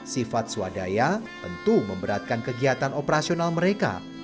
sifat swadaya tentu memberatkan kegiatan operasional mereka